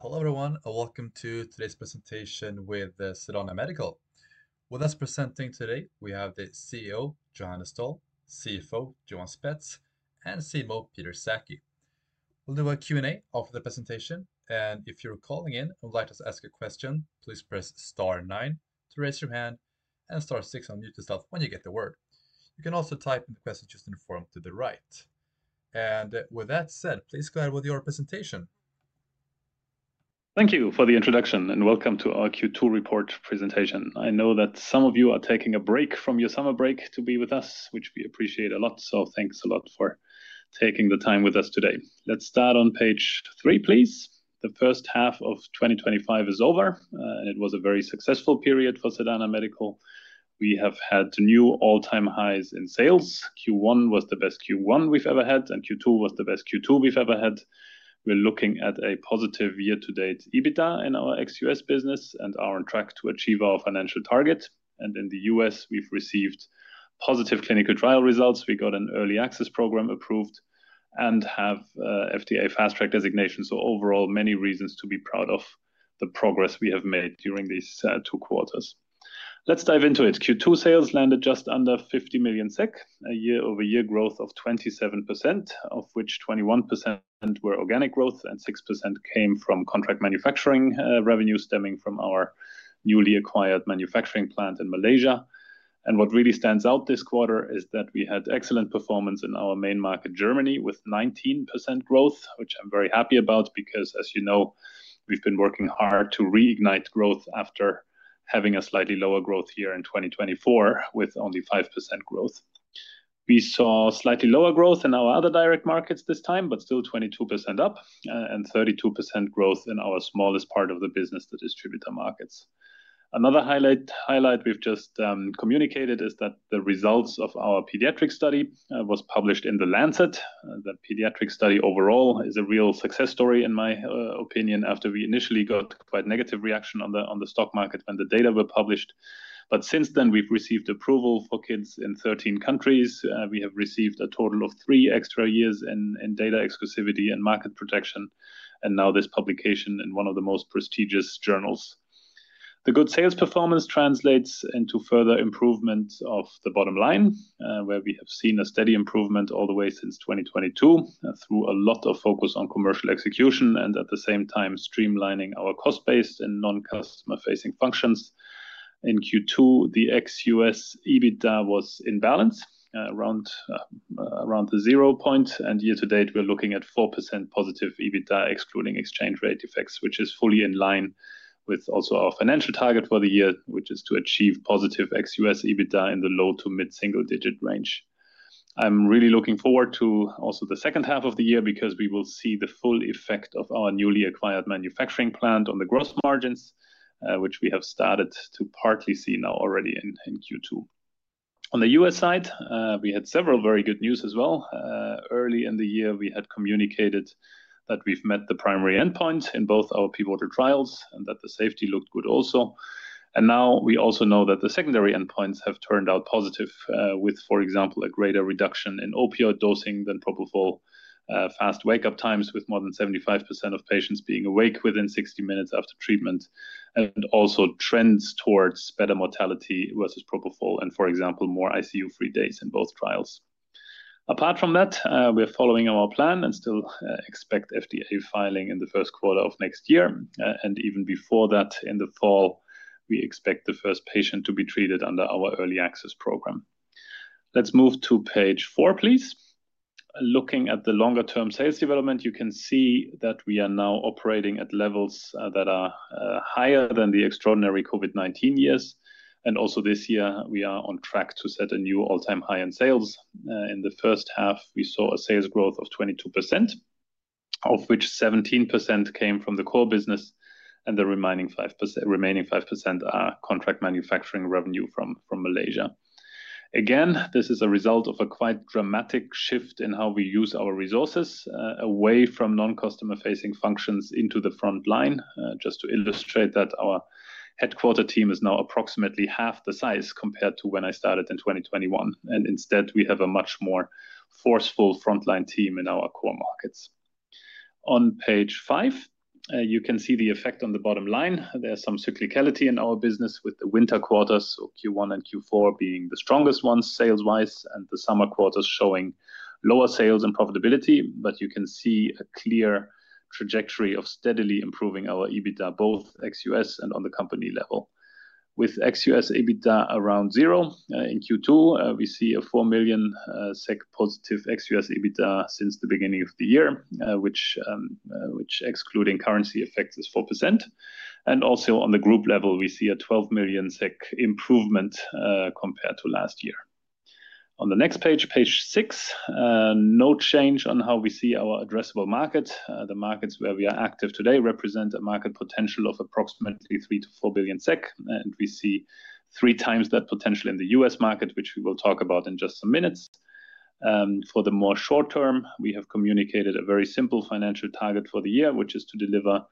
Hello everyone. Welcome to today's presentation with Sedana Medical. With us presenting today we have the CEO Johannes Doll, CFO Johan Spetz, and CMO Peter Sackey. We'll do a Q and A after the presentation, and if you're calling in and would like to ask a question, please press star nine to raise your hand and star six to unmute yourself when you get the word. You can also type in the messages in the form to the right. With that said, please go ahead with your presentation. Thank you for the introduction and welcome to our Q2 report presentation. I know that some of you are taking a break from your summer break to be with us, which we appreciate a lot. Thanks a lot for taking the time with us today. Let's start on page three please. The first half of 2025 is over and it was a very successful period for Sedana Medical. We have had new all-time highs in sales. Q1 was the best Q1 we've ever had and Q2 was the best Q2 we've ever had. We're looking at a positive year-to-date EBITDA in our ex-US business and are on track to achieve our financial target. In the U.S. we've received positive clinical trial results. We got an early access program approved and have FDA Fast Track designation. Overall, many reasons to be proud of the progress we have made during these two quarters. Let's dive into it. Q2 sales landed just under 50 million SEK, a year-over-year growth of 27%, of which 21% were organic growth and 6% came from contract manufacturing revenue stemming from our newly acquired manufacturing plant in Malaysia. What really stands out this quarter is that we had excellent performance in our main market Germany with 19% growth, which I'm very happy about because as you know we've been working hard to reignite growth after having a slightly lower growth year in 2024 with only 5% growth. We saw slightly lower growth in our other direct markets this time, but still 22% up and 32% growth in our smallest part of the business, the distributor markets. Another highlight we've just communicated is that the results of our pediatric study were published in The Lancet. The pediatric study overall is a real success story in my opinion. After we initially got quite negative reaction on the stock market when the data were published, since then we've received approval for kids in 13 countries. We have received a total of three extra years in data exclusivity and market protection, and now this publication in one of the most prestigious journals. The good sales performance translates into further improvement of the bottom line where we have seen a steady improvement all the way since 2022 through a lot of focus on commercial execution and at the same time streamlining our cost base and non-customer facing functions. In Q2 the ex US EBITDA was in balance around the zero point and year to date we're looking at 4% positive EBITDA excluding exchange rate effects which is fully in line with also our financial target for the year which is to achieve positive ex US EBITDA in the low to mid single digit range. I'm really looking forward to also the second half of the year because we will see the full effect of our newly acquired manufacturing plant on the gross margins which we have started to partly see now, already in Q2. On the U.S. side we had several very good news as well. Early in the year we had communicated that we've met the primary endpoint in both our pivotal trials and that the safety looked good also. Now we also know that the secondary endpoints have turned out positive with for example a greater reduction in opioid dosing than propofol, fast wake up times with more than 75% of patients being awake within 60 minutes after treatment, and also trends towards better mortality versus propofol and for example more ICU-free days in both trials. Apart from that we're following our plan and still expect FDA filing in the first quarter of next year and even before that in the fall we expect the first patient to be treated under our early access program. Let's move to page four please. Looking at the longer term sales development, you can see that we are now operating at levels that are higher than the extraordinary COVID-19 years. Also this year we are on track to set a new all-time high in sales. In the first half we saw a sales growth of 22% of which 17% came from the core business and the remaining 5% are contract manufacturing revenue from Malaysia. Again, this is a result of a quite dramatic shift in how we use our resources away from non-customer facing functions into the front line. Just to illustrate that our headquarter team is now approximately half the size compared to when I started in 2021 and instead we have a much more forceful frontline team in our core markets. On page five you can see the effect on the bottom line. There's some cyclicality in our business with the winter quarters Q1 and Q4 being the strongest ones sales wise and the summer quarters showing lower sales and profitability. You can see a clear trajectory of steadily improving our EBITDA both ex US and on the company level with ex US EBITDA around zero. In Q2 we see a 4 million SEK positive ex US EBITDA since the beginning of the year which excluding currency effects is 4%. Also on the group level we see a 12 million SEK improvement compared to last year. On the next page, page six, no change on how we see our addressable market. The markets where we are active today represent a market potential of approximately 3 billion-4 billion SEK and we see three times that potential in the US market, which we will talk about in just a minute. For the more short term, we have communicated a very simple financial target for the year, which is to deliver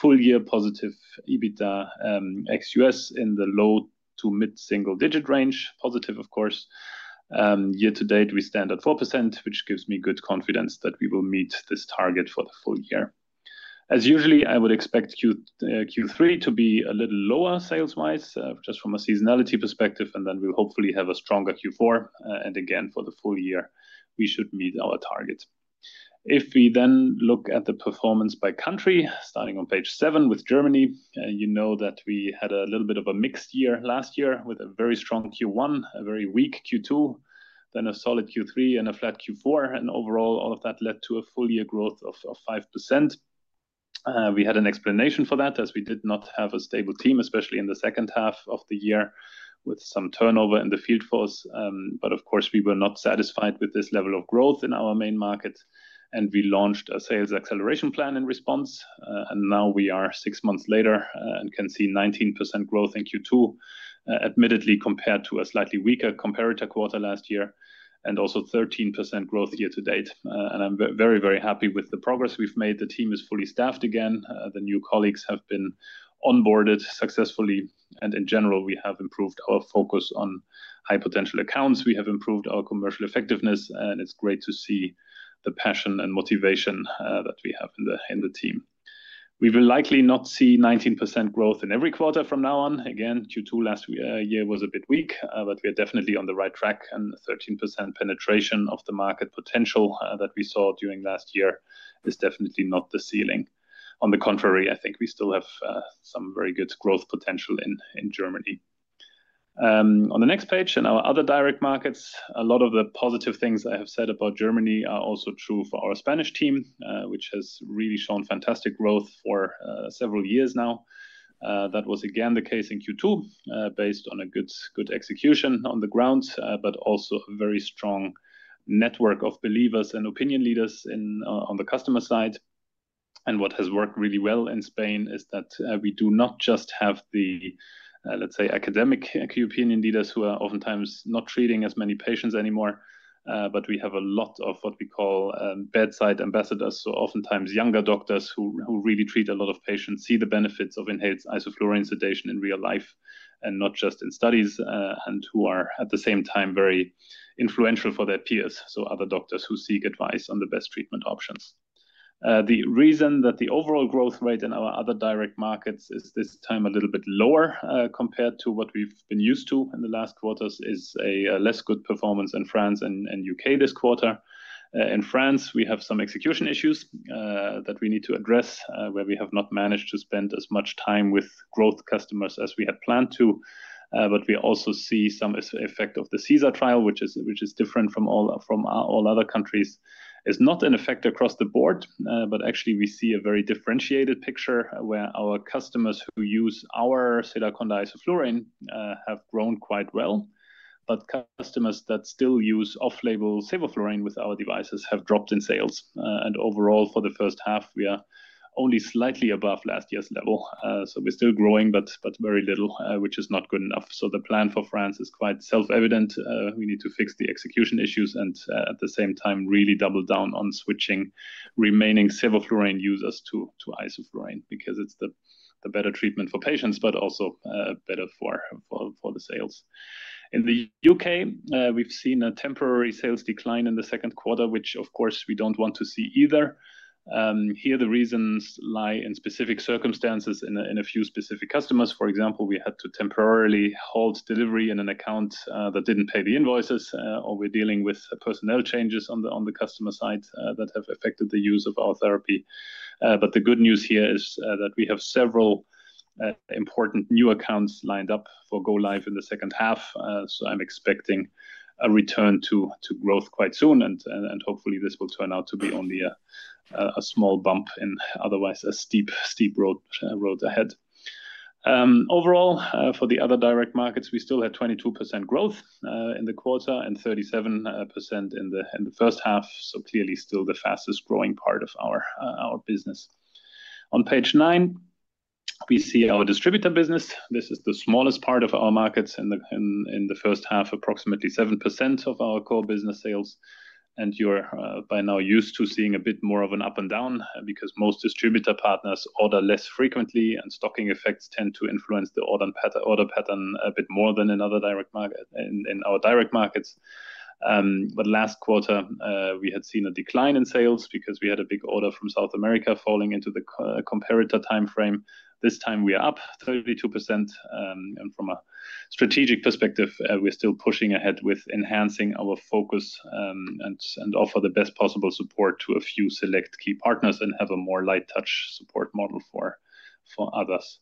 full year positive EBITDA ex US in the low to mid single digit range positive. Of course, year to date we stand at 4%, which gives me good confidence that we will meet this target for the full year. As usual, I would expect Q3 to be a little lower sales wise, just from a seasonality perspective, and then we hopefully have a stronger Q4. Again, for the full year we should meet our target. If we then look at the performance by country, starting on page 7 with Germany, you know that we had a little bit of a mixed year last year with a very strong Q1, a very weak Q2, then a solid Q3 and a flat Q4, and overall all of that led to a full year growth of 5%. We had an explanation for that as we did not have a stable team, especially in the second half of the year with some turnover in the field force. We were not satisfied with this level of growth in our main market and we launched a sales acceleration plan in response. Now we are six months later and can see 19% growth in Q2, admittedly compared to a slightly weaker comparator quarter last year, and also 13% growth year to date. I'm very, very happy with the progress we've made. The team is fully staffed again, the new colleague has been onboarded successfully, and in general we have improved our focus on high potential accounts, we have improved our commercial effectiveness, and it's great to see the passion and motivation that we have in the team. We will likely not see 19% growth in every quarter from now on, again due to last year being a bit weak, but we are definitely on the right track and 13% penetration of the market potential that we saw during last year is definitely not the ceiling. On the contrary, I think we still have some very good growth potential in Germany. On the next page, in our other direct markets, a lot of the positive things I have said about Germany are also true for our Spanish team, which has really shown fantastic growth for several years now. That was again the case in Q2, based on a good execution on the ground, but also a very strong network of believers and opinion leaders on the customer side. What has worked really well in Spain is that we do not just have the, let's say, academic opinion leaders who are oftentimes not treating as many patients anymore, but we have a lot of what we call bedside ambassadors. Oftentimes younger doctors who really treat a lot of patients see the benefits of enhanced isoflurane sedation in real life and not just in studies, and who are at the same time very influential for their peers, other doctors who seek advice on the best treatment options. The reason that the overall growth rate in our other direct markets is this time a little bit lower compared to what we've been used to in the last quarters is a less good performance in France and UK this quarter. In France, we have some execution issues that we need to address where we have not managed to spend as much time with growth customers as we had planned to. We also see some effect of the CESAR trial, which is different from all other countries, is not in effect across the board. We see a very differentiated picture where our customers who use our Sedaconda (Isoflurane) have grown quite well, but customers that still use off-label sevoflurane with our devices have dropped in sales and overall for the first half we are only slightly above last year's level. We're still growing but very little, which is not good enough. The plan for France is quite self-evident. We need to fix the execution issues and at the same time really double down on switching remaining sevoflurane users to isoflurane because it's the better treatment for patients, but also better for the sales. In the UK, we've seen a temporary sales decline in the second quarter, which of course we don't want to see either. The reasons lie in specific circumstances in a few specific customers. For example, we had to temporarily halt delivery in an account that didn't pay the invoices, or we're dealing with personnel changes on the customer side that have affected the use of our therapy. The good news here is that we have several important new accounts lined up for go-live in the second half. I'm expecting a return to growth quite soon and hopefully this will turn out to be only a small bump in otherwise a steep road ahead. Overall for the other direct markets we still had 22% growth in the quarter and 37% in the first half, so clearly still the fastest growing part of our business. On page nine we see our distributor business. This is the smallest part of our markets in the first half, approximately 7% of our core business sales. You are by now used to seeing a bit more of an up and down because most distributor partners order less frequently and stocking effects tend to influence the order pattern a bit more than in our direct markets. Last quarter we had seen a decline in sales because we had a big order from South America falling into the comparator timeframe. This time we are up 32% and from a strategic perspective we're still pushing ahead with enhancing our focus and offer the best possible support to a few select key partners and have a more light touch support model for others.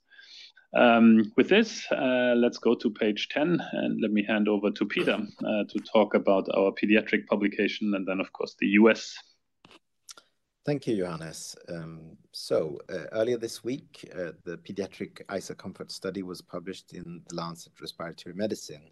With this let's go to page 10 and let me hand over to Peter to talk about our pediatric publication and then of course the U.S. Thank you Johannes. Earlier this week the pediatric IsoComfort study was published in The Lancet Respiratory Medicine,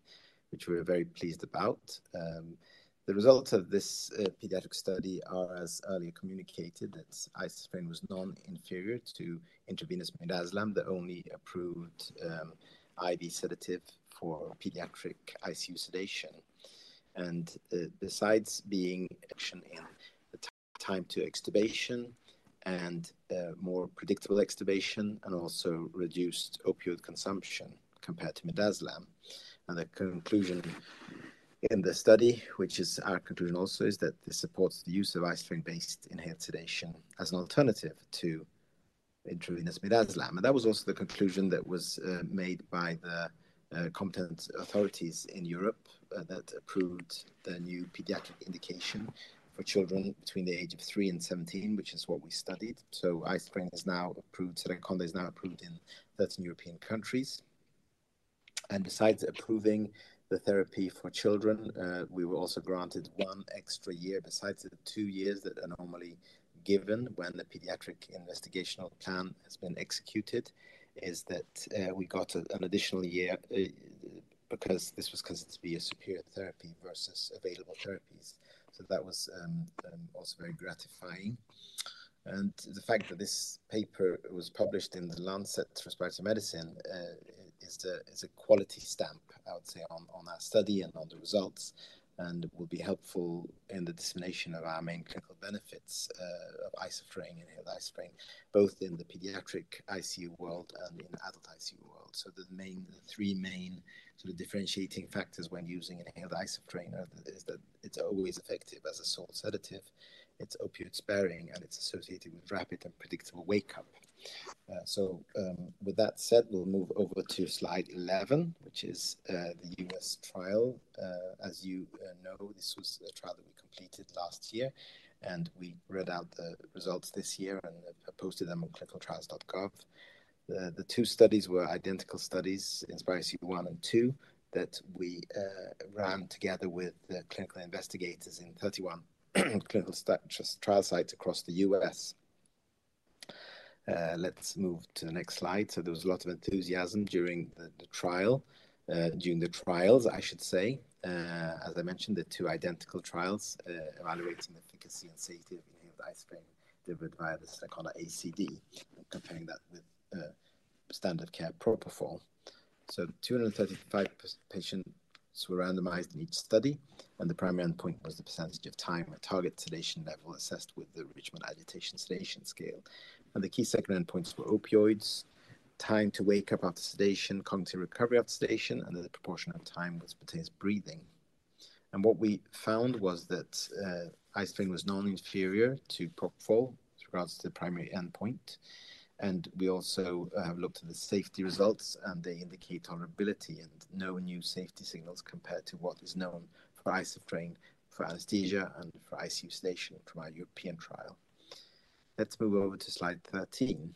which we were very pleased about. The results of this pediatric study are as earlier communicated, that Sedaconda (Isoflurane) was non-inferior to intravenous midazolam, the only approved IV sedative for pediatric ICU sedation, and besides being time to extubation and more predictable extubation, it also reduced opioid consumption compared to midazolam. The conclusion in the study, which is our conclusion also, is that this supports the use of isoflurane-based inhaled sedation as an alternative to intravenous midazolam. That was also the conclusion made by the competent authorities in Europe that approved the new pediatric indication for children between the age of 3 and 17, which is what we studied. Sedaconda (Isoflurane) is now approved in 13 European countries, and besides approving the therapy for children, we were also granted one extra year besides the two years that are normally given when the pediatric investigational plan has been executed. We got an additional year because this was considered to be a superior therapy versus available therapies. That was also very gratifying. The fact that this paper was published in The Lancet Respiratory Medicine is a quality stamp, I would say, on our study and on the results and will be helpful in the dissemination of our main clinical benefits of Isoflurane inhaled isoflurane both in the pediatric ICU world and in the adult ICU world. The three main sort of differentiating factors when using any of the isoflurane is that it's always effective as a sole sedative, it's opioid sparing, and it's associated with rapid and predictable wakeup. With that said, we'll move over to slide 11, which is the US trial. As you know, this was a trial that we completed last year and we read out the results this year and posted them on clinicaltrials.gov. The two studies were identical studies, INSPiRE-ICU 1 and 2, that we ran together with clinical investigators in 31 clinical trial sites across the U.S. Let's move to the next slide. There was a lot of enthusiasm during the trial, during the trials, I should say. As I mentioned, the two identical trials evaluated efficacy and safety of inhaled isoflurane delivered via the Sedaconda ACD, comparing that with standard care propofol. Two hundred thirty-five patients were randomized in each study when the primary endpoint was the percentage of time at target sedation level assessed with the Richmond Agitation Sedation Scale. The key secondary endpoints were opioids, time to wake up after sedation, cognitive recovery after sedation, and the proportion of time which pertains to breathing. What we found was that Sedaconda (Isoflurane) was non-inferior to propofol with regards to the primary endpoint. We also have looked at the safety results, and they indicate tolerability and no new safety signals compared to what is known for isoflurane for anesthesia and for ICU sedation from our European trial. Let's move over to slide 13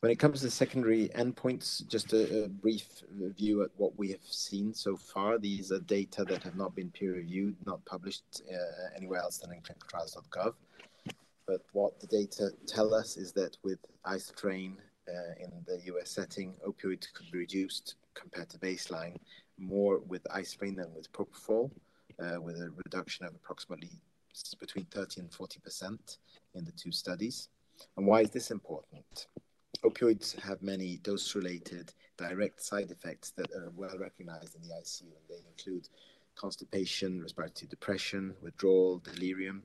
when it comes to secondary endpoints. Just a brief view at what we have seen so far. These are data that have not been peer reviewed, not published anywhere else than in clinicaltrials.gov, but what the data tell us is that with Isoflurane in the U.S. setting, opioid could be reduced compared to baseline, more with Isoflurane than with propofol, with a reduction of approximately between 30% and 40% in the two studies. Why is this important? Opioids have many dose-related direct side effects that are well recognized in the ICU, and they include constipation, respiratory depression, withdrawal, and delirium.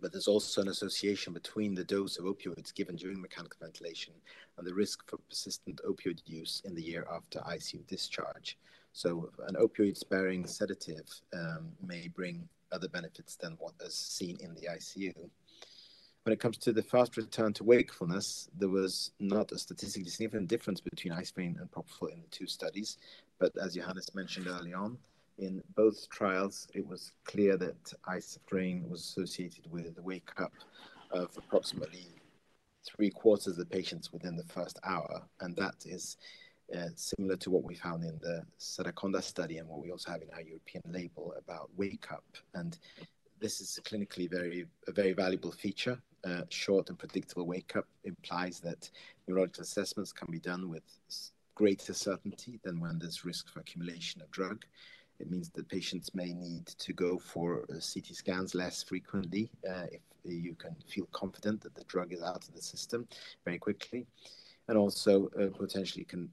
There is also an association between the dose of opioids given during mechanical ventilation and the risk for persistent opioid use in the year after ICU discharge. An opioid-sparing sedative may bring other benefits than what is seen in the ICU. When it comes to the fast return to wakefulness, there was not a statistically significant difference between Isoflurane and propofol in two studies. As Johannes mentioned, early on in both trials, it was clear that Isoflurane was associated with the wake up of approximately 3/4 of patients within the first hour. That is similar to what we found in the Sedaconda study and what we also have in our European label about wake up. This is clinically a very valuable feature. Short and predictable wake up implies that neurological assessments can be done with greater certainty than when there is risk for accumulation of drug. It means that patients may need to go for CT scans less frequently if you can feel confident that the drug is out of the system very quickly and also potentially can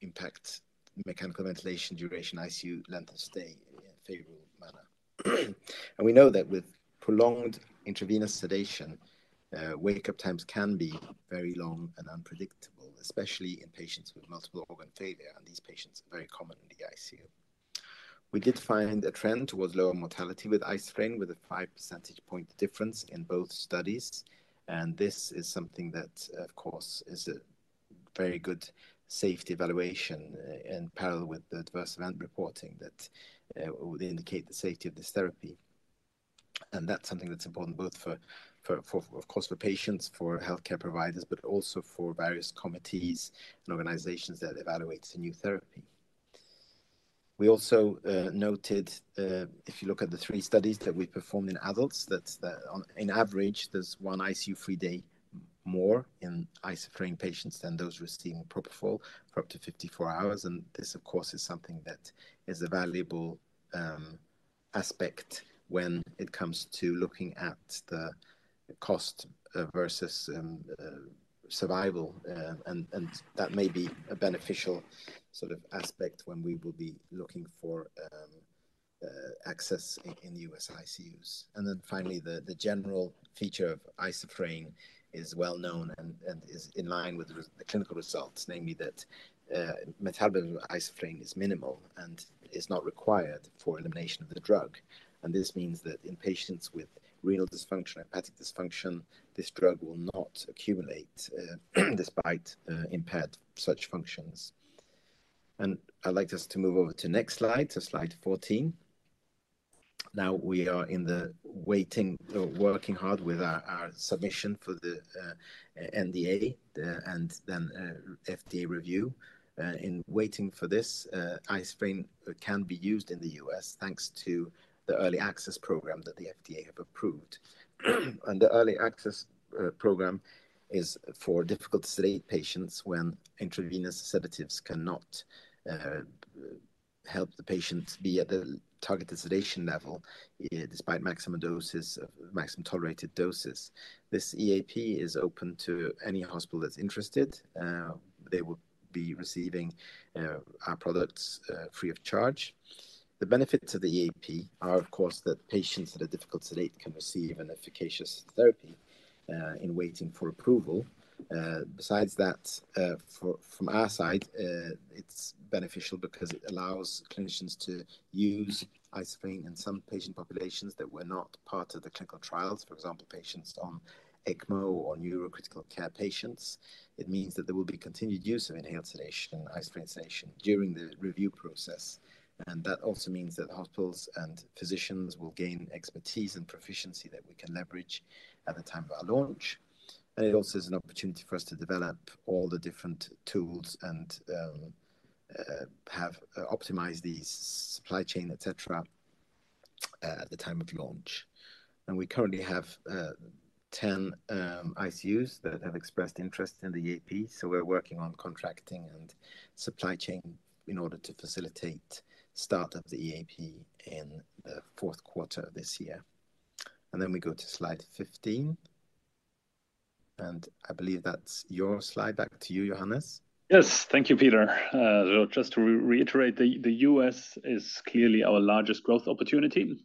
impact mechanical ventilation duration and ICU length of stay in a favorable manner. We know that with prolonged intravenous sedation, wake up times can be very long and unpredictable, especially in patients with multiple organ failure. These patients are very common in the ICU. We did find a trend towards lower mortality with isoflurane with a 5% point difference in both studies. This is something that of course is a very good safety evaluation in parallel with the adverse event reporting that indicates the safety of this therapy. That is something that's important both of course for patients, for healthcare providers, but also for various committees and organizations that evaluate a new therapy. We also noted if you look at the three studies that we performed in adults, that on average there's one ICU-free day more in isoflurane patients than those receiving propofol for up to 54 hours. This of course is something that is a valuable aspect when it comes to looking at the cost versus survival. That may be a beneficial sort of aspect when we will be looking for access in the US ICUs. Finally, the general feature of isoflurane is well known and is in line with the clinical results, namely that metabolism of isoflurane is minimal and is not required for elimination of the drug. This means that in patients with renal dysfunction or hepatic dysfunction, this drug will not accumulate despite impaired such functions. I'd like us to move over to the next slide, to slide 14. Now we are waiting, working hard with our submission for the NDA and then FDA review, waiting for this isoflurane to be used in the U.S. thanks to the early access program that the FDA have approved. The early access program is for difficult-to-sedate patients when intravenous sedatives cannot help the patient be at the targeted sedation level despite maximum doses, maximum tolerated doses. This EAP is open to any hospital that's interested. They will be receiving our products free of charge. The benefits of the EAP are of course that patients that are difficult to sedate can receive an efficacious therapy while waiting for approval. Besides that, from our side, it's beneficial because it allows clinicians to use isoflurane in some patient populations that were not part of the clinical trials, for example patients on ECMO or neurocritical care patients. It means that there will be continued use of inhaled sedation isoflurane during the review process. That also means that hospitals and physicians will gain expertise and proficiency that we can leverage at the time of our launch. It also is an opportunity for us to develop all the different tools and have optimized the supply chain, et cetera, at the time of launch. We currently have 10 ICUs that have expressed interest in the EAP. We're working on contracting and supply chain in order to facilitate start up of the EAP in the fourth quarter of this year. We go to slide 15 and I believe that's your slide. Back to you, Johannes. Yes, thank you, Peter. Just to reiterate, the U.S. is clearly our largest growth opportunity.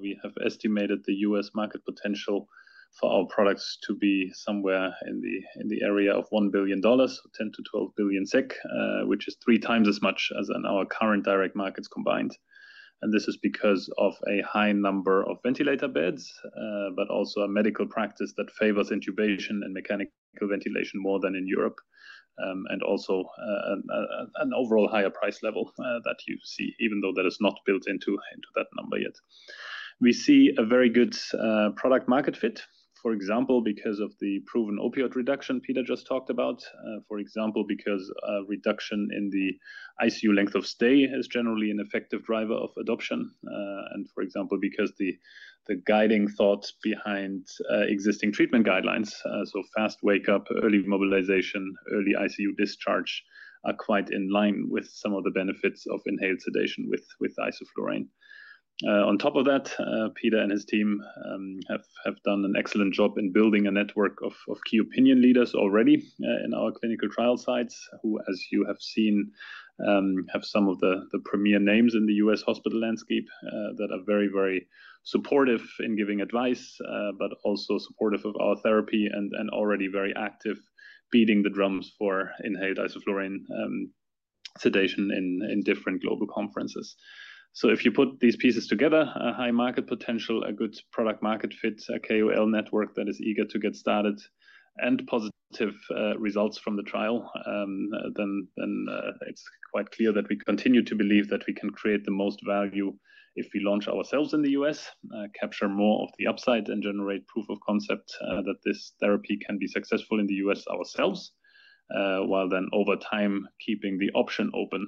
We have estimated the U.S. market potential for our products to be somewhere in the area of $1 billion, 10 billion-12 billion SEK, which is three times as much as in our current direct market combined. This is because of a high number of ventilator beds, but also a medical practice that favors intubation and mechanical ventilation more than in Europe, and also an overall higher price level that you see, even though that is not built into that number yet. We see a very good product market fit, for example, because of the proven opioid reduction Peter just talked about, for example, because a reduction in the ICU length of stay is generally an effective driver of adoption. For example, the guiding thought behind existing treatment guidelines—fast wake up, early mobilization, early ICU discharge—are quite in line with some of the benefits of inhaled sedation with isoflurane. On top of that, Peter and his team have done an excellent job in building a network of key opinion leaders already in our clinical trial sites who, as you have seen, have some of the premier names in the U.S. hospital landscape that are very, very supportive in giving advice, but also supportive of our therapy and already very active beating the drums for inhaled isoflurane sedation in different global conferences. If you put these pieces together—a high market potential, a good product market fit, a KOL network that is eager to get started and positive results from the trial—then it's quite clear that we continue to believe that we can create the most value if we launch ourselves in the U.S., capture more of the upside and generate proof of concept that this therapy can be successful in the U.S. ourselves, while over time keeping the option open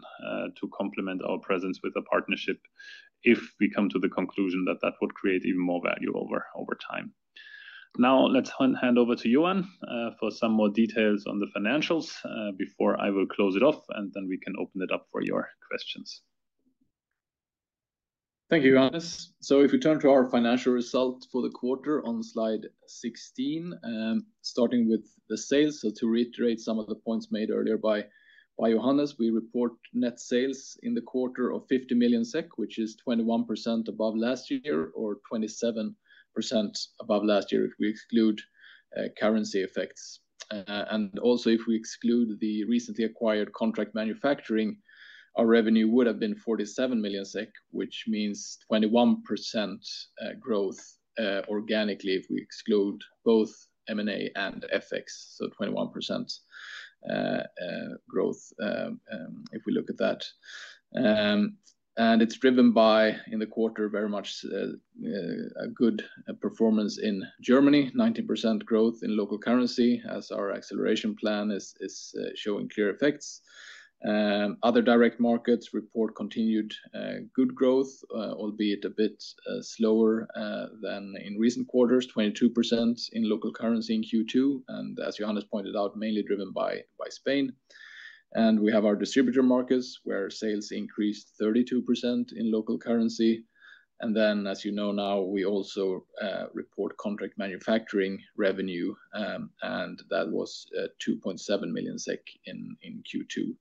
to complement our presence with a partnership if we come to the conclusion that that would create even more value over time. Now let's hand over to Johan for some more details on the financials before I will close it off and then we can open it up for your questions. Thank you, Johannes. If we turn to our financial result for the quarter on slide 16, starting with the sales, to reiterate some of the points made earlier by Johannes, we report net sales in the quarter of 50 million SEK, which is 21% above last year, or 27% above last year if we exclude currency effects. Also, if we exclude the recently acquired contract manufacturing, our revenue would have been 47 million SEK, which means 21% growth organically if we exclude both M&A and FX. 21% growth, if we look at that, is driven by, in the quarter, very much a good performance in Germany, 90% growth in local currency as our acceleration plan is showing clear effects. Other direct markets report continued good growth, albeit a bit slower than in recent quarters, 22% in local currency in Q2, and as Johannes pointed out, mainly driven by Spain. We have our distributor markets where sales increased 32% in local currency. As you know, now we also report contract manufacturing revenue, and that was 2.7 million SEK in Q2.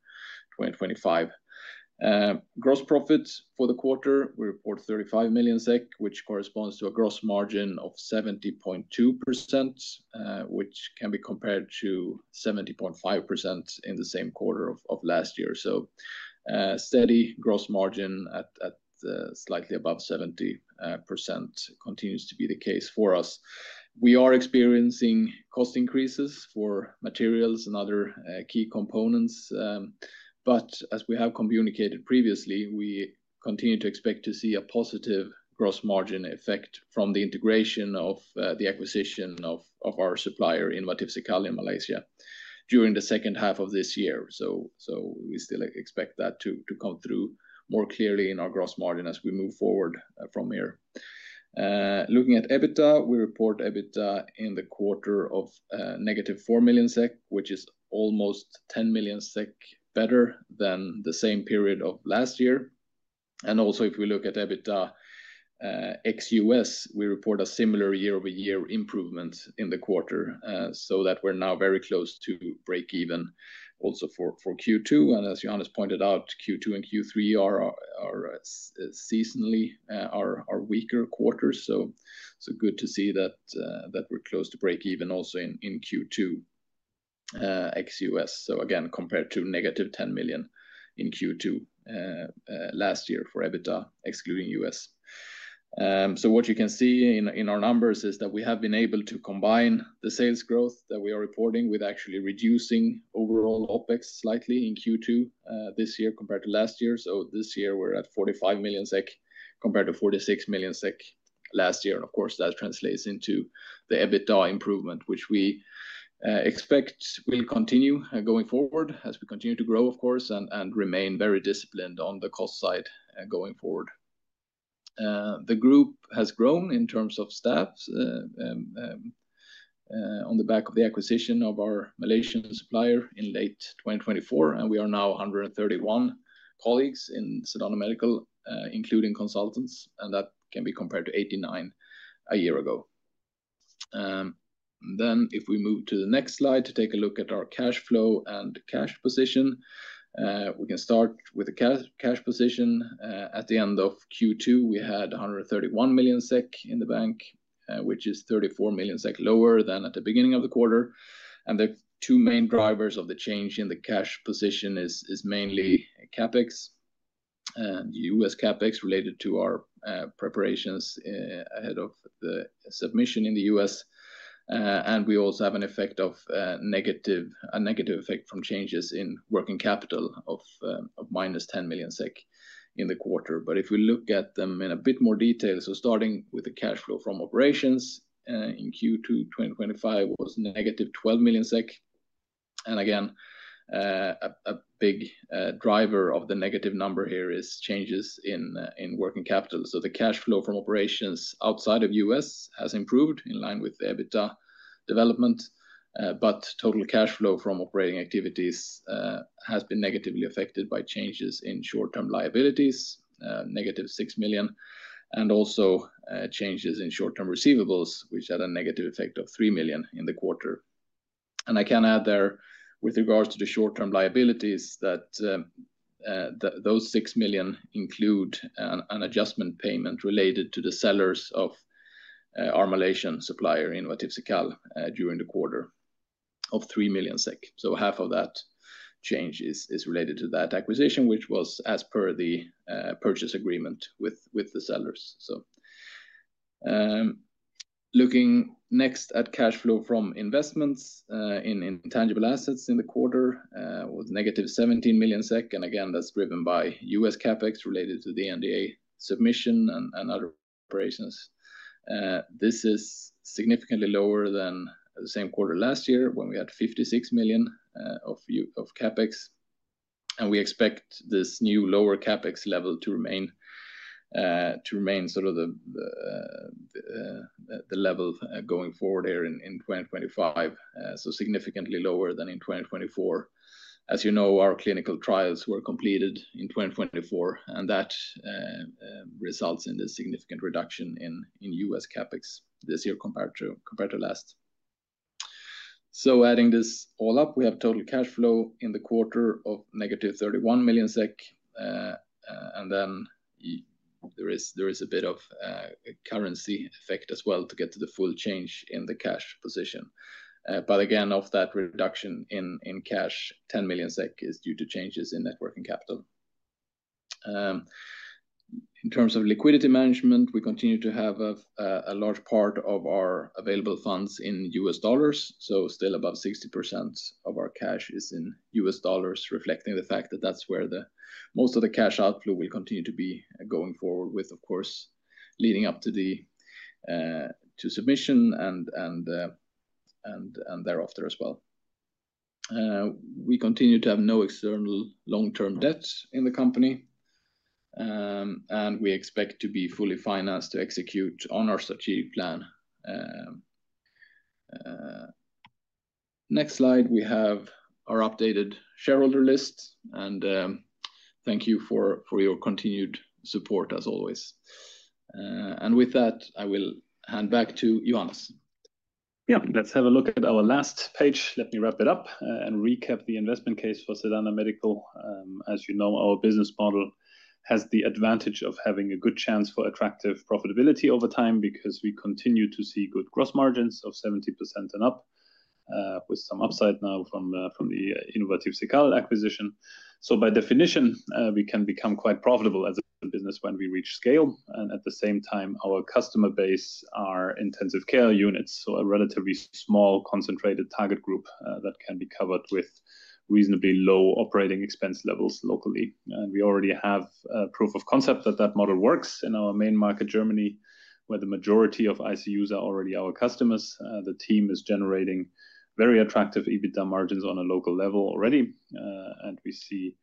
Gross. Profit for the quarter we report 35 million SEK, which corresponds to a gross margin of 70.2%, which can be compared to 70.5% in the same quarter of last year. Steady gross margin at slightly above 70% continues to be the case for us. We are experiencing cost increases for materials and other key components, but as we have communicated and indicated previously, we continue to expect to see a positive gross margin effect from the integration of the acquisition of our supplier Innovatif Cekal in Malaysia during the second half of this year. We still expect that to come through more clearly in our gross margin as we move forward from here. Looking at EBITDA, we report EBITDA in the quarter of -4 million SEK, which is almost 10 million SEK better than the same period of last year. If we look at EBITDA ex US, we report a similar year-over-year improvement in the quarter so that we're now very close to breakeven also for Q2, and as Jens pointed out, Q2 and Q3 are seasonally our weaker quarters. It is good to see that we're close to breakeven also in Q2 ex U.S., compared to -10 million in Q2 last year for EBITDA excluding U.S. What you can see in our numbers is that we have been able to combine the sales growth that we are reporting with actually reducing overall OpEx slightly in Q2 this year compared to last year. This year we're at 45 million SEK compared to 46 million SEK last year. That translates into the EBITDA improvement, which we expect will continue going forward as we continue to grow and remain very disciplined on the cost side going forward. The group has grown in terms of staff on the back of the acquisition of our Malaysian supplier in late 2024, and we are now 131 colleagues in Sedana Medical including consultants, and that can be compared to 89 a year ago. If we move to the next slide to take a look at our cash flow and cash position, we can start with the cash position at the end of Q2. We had 131 million SEK in the bank, which is 34 million SEK lower than at the beginning of the quarter. There could be two main drivers of the change in the cash position: it is mainly CapEx and U.S. CapEx related to our preparations ahead of the submission in the U.S., and we also have a negative effect from changes in working capital of -10 million SEK in the quarter. If we look at them in a bit more detail. Starting with the cash flow from operations in Q2 2025, it was -12 million SEK. A big driver of the negative number here is changes in working capital. The cash flow from operations outside of the U.S. has improved in line with EBITDA development. Total cash flow from operating activities has been negatively affected by changes in short-term liabilities, -6 million, and also changes in short-term receivables, which had a negative effect of 3 million in the quarter. I can add there, with regards to the short-term liabilities, that those 6 million include an adjustment payment related to the sellers of our Malaysian supplier Innovatif Cekal during the quarter of 3 million SEK. Half of that change is related to that acquisition, which was as per the purchase agreement with the sellers. Looking next at cash flow from investments in intangible assets, in the quarter it was -17 million SEK. That's driven by U.S. CapEx related to the NDA submission and other operations. This is significantly lower than the same quarter last year when we had 56 million of CapEx. We expect this new lower CapEx level to remain, to remain sort of. The. Level going forward here in 2025. Significantly lower than in 2024. As you know, our clinical trials were completed in 2024 and that results in this significant reduction in U.S. CapEx this year compared to last. Adding this all up, we have total cash flow in the quarter of -31 million SEK. There is a bit of currency effect as well to get to the full change in the cash position. Again, of that reduction in cash, 10 million SEK is due to changes in net working capital. In terms of liquidity management, we continue to have a large part of our available funds in US dollars. Still above 60% of our cash is in US dollars, reflecting the fact that that's where most of the cash outflow will continue to be going forward, with of course leading up to the NDA submission and thereafter as well. We continue to have no external long-term debt in the company and we expect to be fully financed to execute on our strategic plan. Next slide, we have our updated shareholder list and thank you for your continued support as always. With that, I will hand back to Johannes. Yeah, let's have a look at our last page. Let me wrap it up and recap the investment case for Sedana Medical. As you know, our business model has the advantage of having a good chance for attractive profitability over time because we continue to see good gross margins of 70% and up, with some upside now from the Innovatif Cekal acquisition. By definition, we can become quite profitable as a business when we reach scale. At the same time, our customer base are intensive care units, so a relatively small, concentrated target group that can be covered with reasonably low operating expense levels locally. We already have proof of concept that that model works in our main market, Germany, where the majority of ICUs are already our customers. The team is generating very attractive EBITDA margins on a local level already, and we see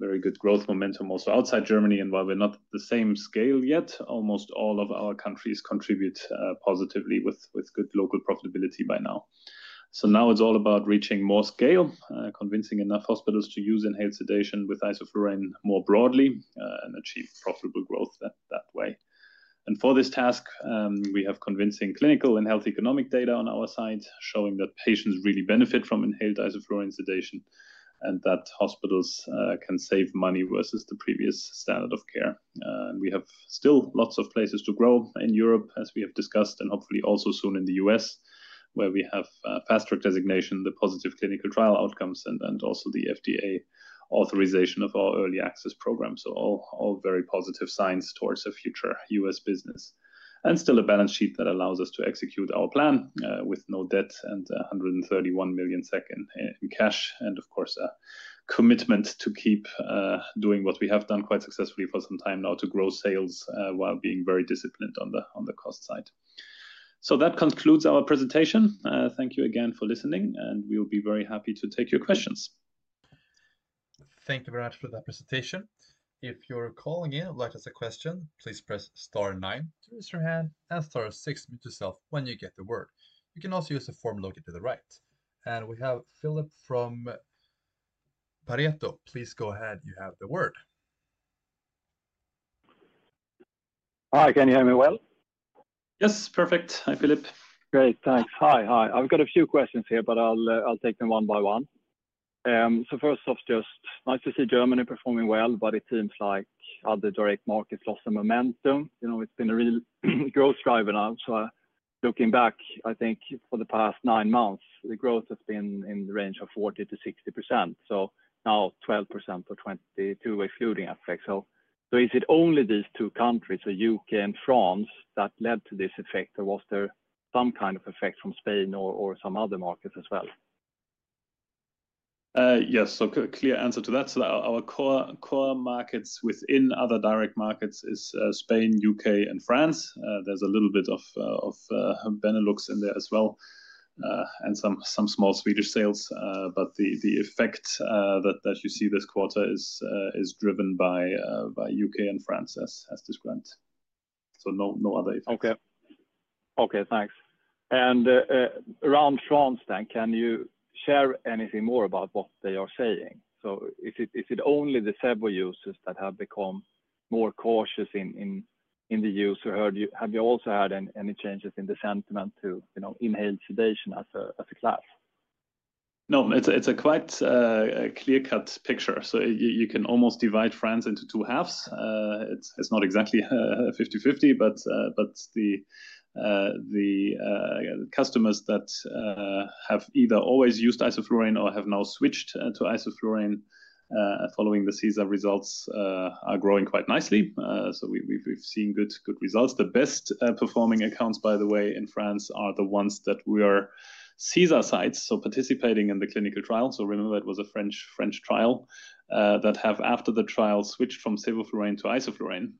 very good growth momentum also outside Germany. While we're not at the same scale yet, almost all of our countries contribute positively with good local profitability by now. Now it's all about reaching more scale, convincing enough hospitals to use inhaled sedation with Isoflurane more broadly, and achieve profitable growth that way. For this task, we have convincing clinical and health economic data on our side showing that patients really benefit from inhaled isoflurane sedation and that hospitals can save money versus the previous standard of care. We have still lots of places to grow in Europe as we have discussed, and hopefully also soon in the U.S. where we have Fast Track designation, the positive clinical trial outcomes, and also the FDA authorization of our early access program. All very positive signs towards the future US business and still a balance sheet that allows us to execute our plan with no debt and 131 million in cash. Of course, a commitment to keep doing what we have done quite successfully for some time now to grow sales while being very disciplined on the cost side. That concludes our presentation. Thank you again for listening and we will be very happy to take your questions. Thank you very much for that presentation. If you're calling in and would like to ask a question, please press star nine to raise your hand and star six to mute yourself when you get the word. You can also use the form located to the right. We have Filip from Pareto. Please go ahead. You have the word. Hi, can you hear me well? Yes, perfect. Hi Filip. Great, thanks. Hi. I've got a few questions here, but I'll take them one by one. First off, just nice to see Germany performing well, but it seems like other direct markets lost some momentum. It's been a real growth driver now. Looking back, I think for the past nine months the growth has been in the range of 40%-60%. Now 12% for 2022, way flooding effect. Is it only these two countries, the UK and France, that led to this effect, or was there some kind of effect from Spain or some other markets as well? Yes. Clear answer to that. Our core markets within other direct markets are Spain, UK, and France. There's a little bit of Benelux in there as well and some small Swedish sales. The effect that you see this quarter is driven by UK and France as this grant. No other effect. Okay. Okay, thanks. Around France then, can you share anything more about what they are saying? Is it only the several users that have become more cautious in the user? Have you also had any changes in the sentiment to inhaled sedation as a class? No, it's a quite clear-cut picture. You can almost divide France into two halves. It's not exactly 50/50, but. The. Customers that have either always used isoflurane or have now switched to isoflurane following the CESAR results are growing quite nicely. We've seen good results. The best performing accounts, by the way, in France are the ones that were CESAR sites, so participating in the clinical trial. Remember it was a French trial that have after the trial switched from sevoflurane to isoflurane.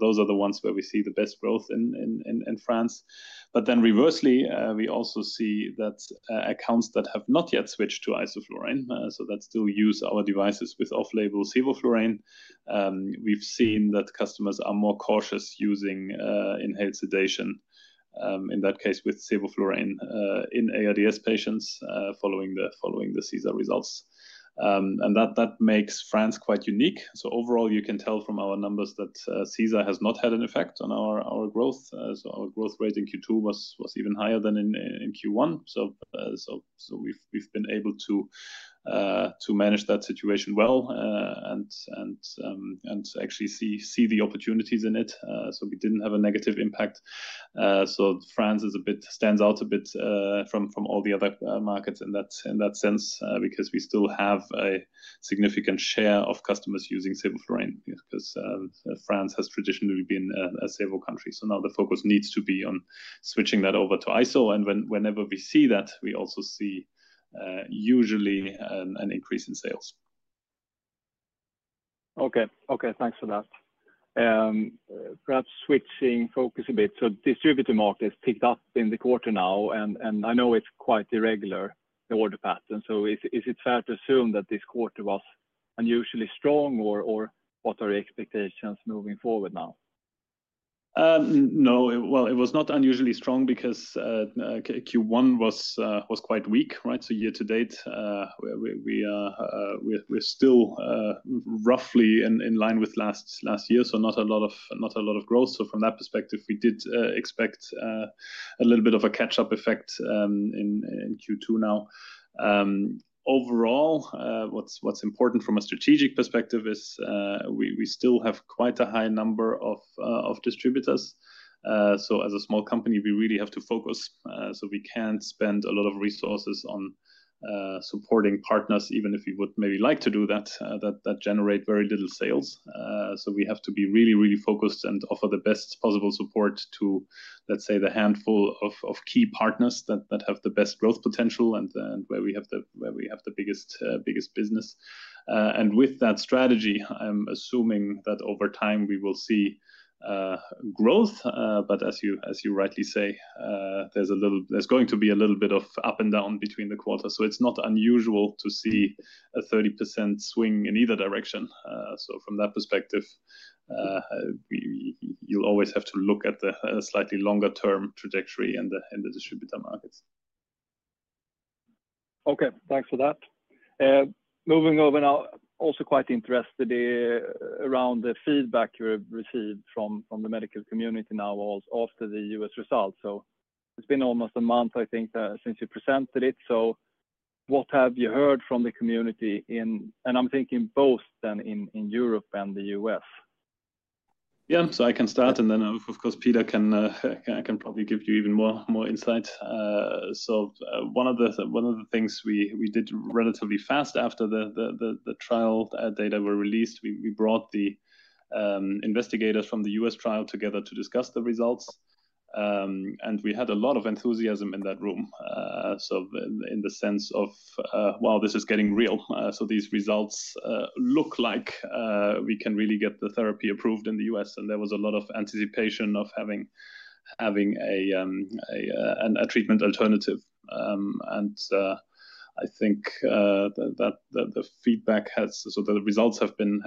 Those are the ones where we see the growth in France. Reversely, we also see that accounts that have not yet switched to isoflurane, so that still use our devices with off-label sevoflurane, we've seen that customers are more cautious using inhaled sedation in that case with sevoflurane in ARDS patients following the CESAR results. That makes France quite unique. Overall, you can tell from our numbers that CESAR has not had an effect on our growth. Our growth rate in Q2 was even higher than in Q1. We've been able to manage that situation well and actually see the opportunities in it. We didn't have a negative impact. France stands out a bit from all the other markets in that sense because we still have a significant share of customers using sevoflurane because France has traditionally been a sevo country. Now the focus needs to be on switching that over to ISO. Whenever we see that, we also see usually an increase in sales. Okay, thanks for that. Perhaps switching focus a bit. Distributed markets picked up in the quarter now and I know it's quite irregular order pattern. Is it fair to assume that this quarter was unusually strong or what are your expectations moving forward now? No, it was not unusually strong because Q1 was quite weak. Right. Year to date we're still roughly in line with last year, so not a lot of growth. From that perspective, we did expect a little bit of a catch up effect in Q2. Now, overall, what's important from a strategic perspective is we still have quite a high number of distributors. As a small company, we really have to focus. We can't spend a lot of resources on supporting partners, even if we would maybe like to do that, that generate very little sales. We have to be really, really focused and offer the best possible support to, let's say, the handful of key partners that have the best growth potential and where we have the biggest business. With that strategy, I'm assuming that over time we will see growth. As you rightly say, there's going to be a little bit of up and down between the quarters. It's not unusual to see a 30% swing in either direction. From that perspective, you always have to look at the slightly longer term trajectory and the distributor markets. Okay, thanks for that. Moving over now. Also quite interested around the feedback you received from the medical community now after the U.S. results. It's been almost a month I think since you presented it. What have you heard from the community? I'm thinking both then in Europe and the U.S. yeah, so I can start and then of course Peter can probably give you even more insight. One of the things we did relatively fast after the trial data were released was bring the investigators from the US trial together to discuss the results, and we had a lot of enthusiasm in that room. In the sense of, wow, this is getting real. These results look like we can really get the therapy approved in the U.S., and there was a lot of anticipation of having a treatment alternative. I think that the feedback has, the results have been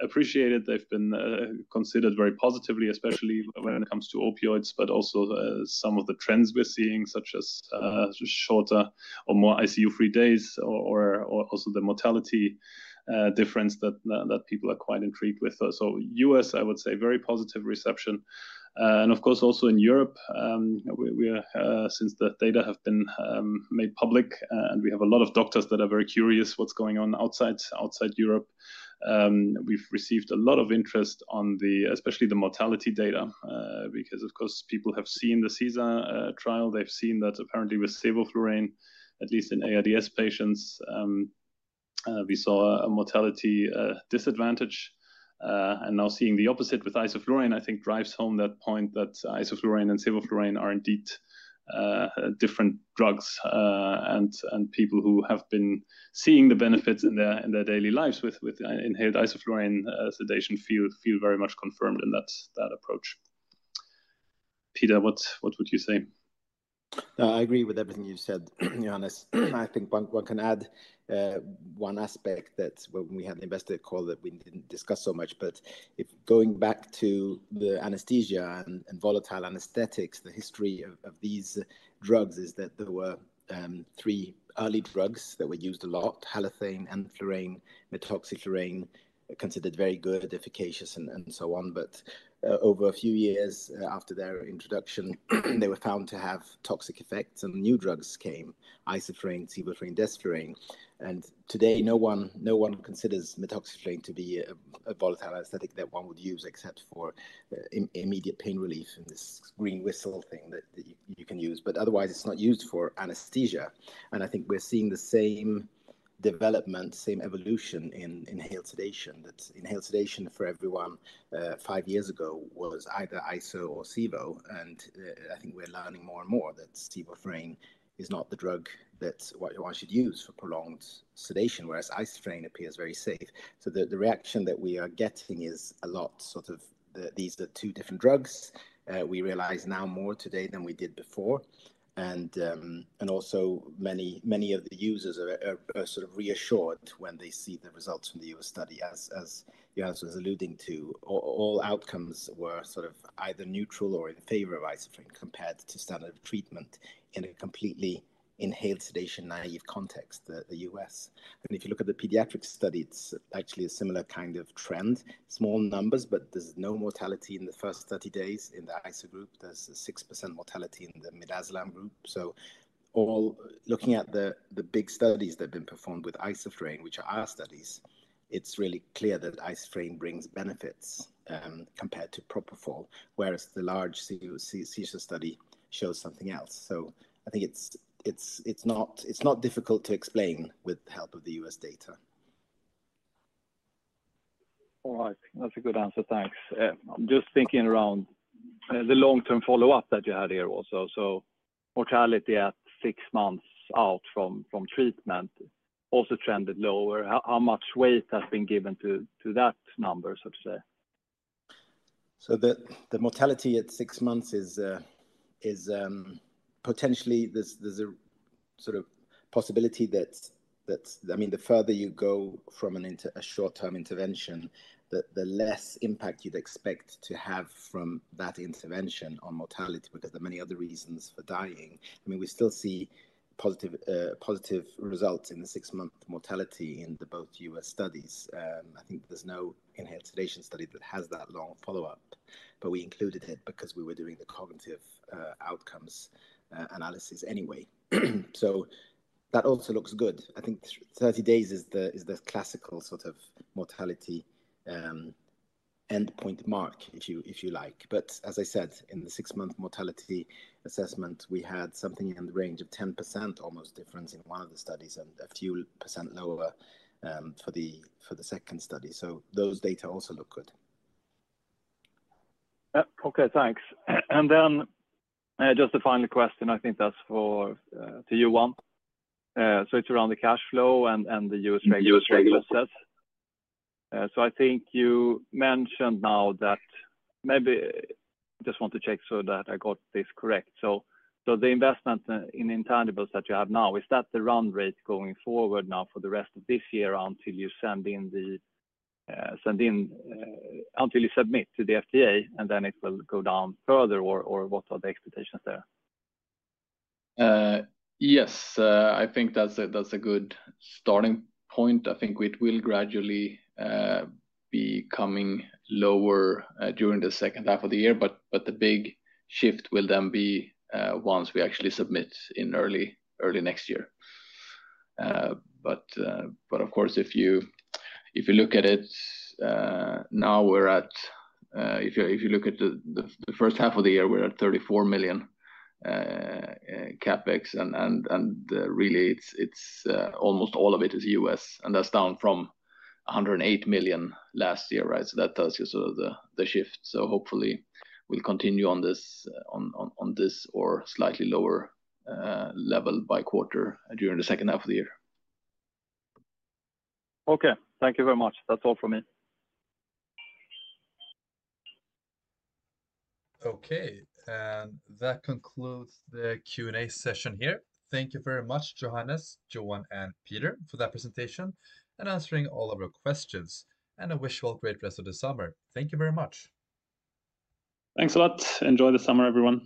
appreciated. They've been considered very positively, especially when it comes to opioids. Also, some of the trends we're seeing, such as shorter or more ICU-free days or also the mortality difference, people are quite intrigued with. The U.S., I would say, very positive reception. Of course, also in Europe, since that data have been made public and we have a lot of doctors that are very curious what's going on outside Europe, we've received a lot of interest on especially the mortality data because people have seen the CESAR trial, they've seen that apparently with sevoflurane, at least in ARDS patients, we saw a mortality disadvantage. Now seeing the opposite with isoflurane, I think drives home that point that isoflurane and sevoflurane are indeed different drugs. People who have been seeing the benefits in their daily lives with inhaled isoflurane sedation feel very much confirmed in that approach. Peter, what would you say? I agree with everything you said. I think one can add one aspect that when we had the investor call that we didn't discuss so much. If going back to the anesthesia and volatile anesthetics, the history of these drugs is that there were three early drugs that were used a lot, Halothane and flurane, Methoxyflurane, considered very good, efficacious and so on. Over a few years after their introduction they were found to have toxic effects and new drugs came. Isoflurane, sevoflurane, desflurane. Today no one considers Methoxyflurane to be a volatile anesthetic that one would use except for immediate pain relief. This green whistle thing that you can use, but otherwise it's not used for anesthesia. I think we're seeing the same development, same evolution in inhaled sedation, that inhaled sedation for everyone five years ago was either ISO or Sevo. I think we're learning more and more that Sevoflurane is not the drug that one should use for prolonged sedation, whereas Isoflurane appears very safe. The reaction that we are getting is, is a lot sort of these are two different drugs, we realize now more today than we did before. Also many of the users are sort of reassured when they see the results from the U.S. study as Johannes was alluding to, all outcomes were sort of either neutral or in favor of Isoflurane compared to standard treatment in a completely inhaled sedation naive context. The U.S. and if you look at the pediatric study, it's actually a similar kind of trend, small numbers, but there's no mortality in the first 30 days in the ISO group. There's a 6% mortality in the midazolam group. All looking at the big studies that have been performed with Isoflurane, which are our studies, it's really clear that Isoflurane brings benefits compared to propofol, whereas the large seizure study shows something else. I think it's not difficult to explain with help of the US data. All right, that's a good answer, thanks. Just thinking around the long-term follow-up that you had here also. Mortality at six months out from treatment also trended lower. How much weight has been given to that number? The mortality at six months is potentially, there's the sort of possibility that the further you go from a short-term intervention, the less impact you'd expect to have from that intervention on mortality, because there are many other reasons for dying. We still see positive results in the six-month mortality in both US studies. I think there's no inherited study that has that long follow-up, but we included it because we were doing the cognitive outcomes analysis anyway, so that also looks good. I think 30 days is the classical sort of mortality endpoint, Mark, if you like. As I said, in the six-month mortality assessment we had something in the range of 10%, almost difference in one of the studies, and a few percent lower for the second study. Those data also look good. Okay, thanks. Just a final question, I think that's for you, Johan, so it's around the cash flow and the US regulators. I think you mentioned now that, maybe just want to check so that I got this correct. The investment in intangibles that you have now, is that the run rate going forward now for the rest of this year until you submit to the FDA, and then it will go down further, or what are the expectations there? Yes, I think that's a good starting point. I think it will gradually be coming lower during the second half of the year, but the big shift will then be once we actually submit in early next year. Of course, if you look at it now, we're at, if you look at the first half of the year, we're at 34 million CapEx and really almost all of it is U.S. And that's down from 108 million last year. That tells you sort of the shift. Hopefully we'll continue on this or slightly lower level by quarter during the second half of the year here. Okay, thank you very much. That's all from me. Okay, that concludes the Q and A session here. Thank you very much, Johannes, Johan and Peter, for that presentation and answering all of your questions. I wish you all a great rest of the summer. Thank you very much. Thanks a lot. Enjoy the summer, everyone.